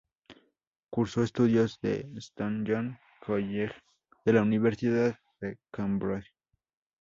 Cursó estudios en St John's College de la Universidad de Cambridge.